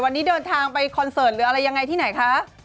วันนี้เดินทางไปคอนเสิร์ตหรืออะไรยังไงที่ไหนคะ